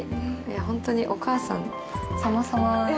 ホントにお母さんさまさま。